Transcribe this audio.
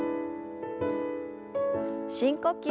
深呼吸。